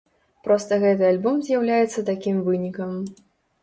Проста гэты альбом з'яўляецца такім вынікам.